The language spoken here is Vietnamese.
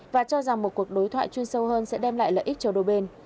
và cho rằng một cuộc đối thoại chuyên sâu hơn sẽ đem lại lợi ích cho đôi bên